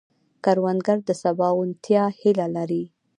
کروندګر د سباوونتیا هیله لري